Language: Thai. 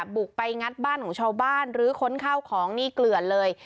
บุกไปงัดบ้านของชาวบ้านหรือค้นข้าวของนี่เกลือนเลย